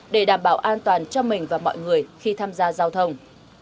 để đảm bảo an toàn cho mình và mọi người khi tham gia giao thông